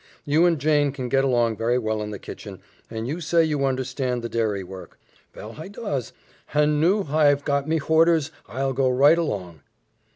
You and Jane can get along very well in the kitchen, and you say you understand the dairy work." "Vell hi does, han noo hi've got me horders hi'll go right along."